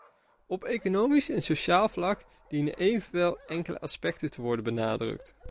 Op economisch en sociaal vlak dienen evenwel enkele aspecten te worden benadrukt.